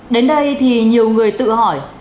đến đây thì nhiều người tự hỏi